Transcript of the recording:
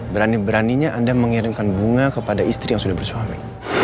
berani beraninya anda mengirimkan bunga kepada istri yang sudah bersuara